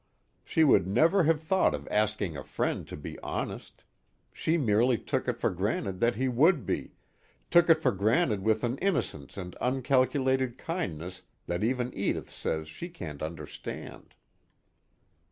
She would never have thought of asking a friend to be honest; she merely took it for granted that he would be, took it for granted with an innocence and uncalculated kindness that even Edith says she can't understand.